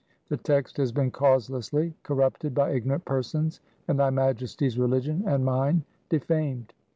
The text has been causelessly corrupted by ignorant persons and thy Majesty's religion and mine defamed.